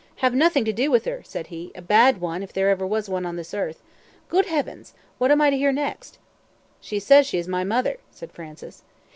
"Have nothing to do with her," said he "a bad one, if ever there was one on this earth. Good Heavens! what am I to hear next?" "She says she is my mother," said Francis.